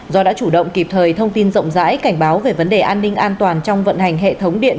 do đã chủ động kịp thời thông tin rộng rãi cảnh báo về vấn đề an ninh an toàn trong vận hành hệ thống điện